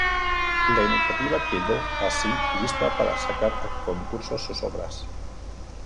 La iniciativa quedó así lista para sacar a concurso sus obras.